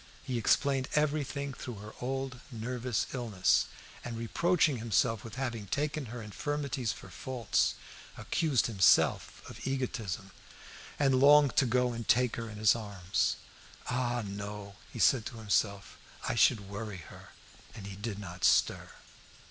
He explained everything through her old nervous illness, and reproaching himself with having taken her infirmities for faults, accused himself of egotism, and longed to go and take her in his arms. "Ah, no!" he said to himself; "I should worry her." And he did not stir.